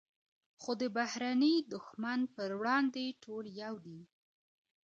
خو د بهرني دښمن پر وړاندې ټول یو دي.